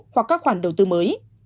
hoặc các khoản đầu tư mới